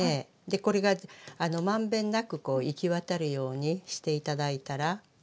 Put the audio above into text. でこれが満遍なくこう行き渡るようにして頂いたら。